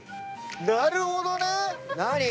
なるほどね！